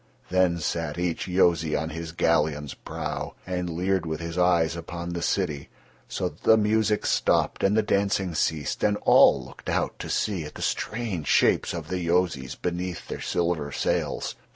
Then sat each Yozi on his galleon's prow, and leered with his eyes upon the city, so that the music stopped and the dancing ceased, and all looked out to sea at the strange shapes of the Yozis beneath their silver sails.